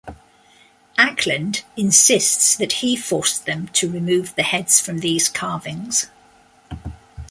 Acland insists that he forced them to remove the heads from these carvings.